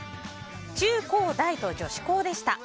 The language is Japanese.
中高大と女子高でした。